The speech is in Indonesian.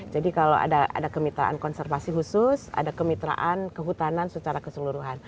jadi kalau ada kemitraan konservasi khusus ada kemitraan kehutanan secara keseluruhan